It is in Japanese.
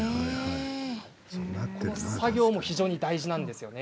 この作業も非常に大事なんですよね。